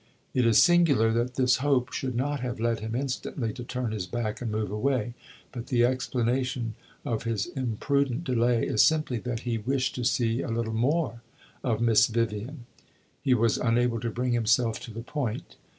It is singular that this hope should not have led him instantly to turn his back and move away; but the explanation of his imprudent delay is simply that he wished to see a little more of Miss Vivian. He was unable to bring himself to the point.